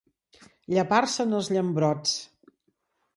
Llepar-se'n els llambrots.